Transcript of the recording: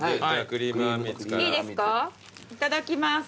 いただきます。